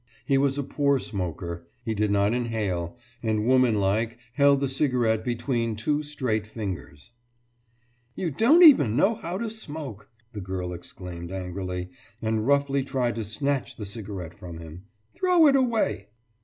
He was a poor smoker; he did not inhale, and womanlike held the cigarette between two straight fingers. »You don't even know how to smoke!« the girl exclaimed angrily, and roughly tried to snatch the cigarette from him. »Throw it away!